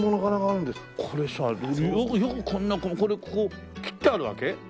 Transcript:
これさよくこんなこれここ切ってあるわけ？